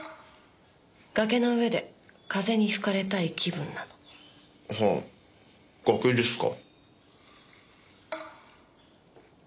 崖の上で風に吹かれたい気分なの。はあ崖ですか。